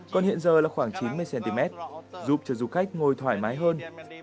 còn hiện giờ là khoảng chín mươi cm giúp cho du khách ngồi thoải mái hơn